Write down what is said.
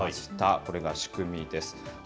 これが仕組みです。